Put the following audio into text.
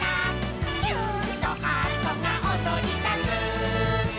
「キューンとハートがおどりだす」